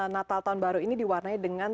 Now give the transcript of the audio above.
natal tahun baru ini diwarnai dengan